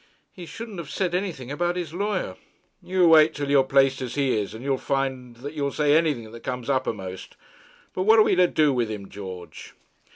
'He shouldn't have said anything about his lawyer.' 'You wait till you're placed as he is, and you'll find that you'll say anything that comes uppermost. But what are we to do with him, George?'